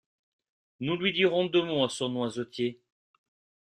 Nous lui dirons deux mots, à son noisetier…